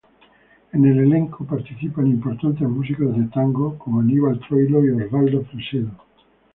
En el elenco participan importantes músicos de tango, como Aníbal Troilo y Osvaldo Fresedo.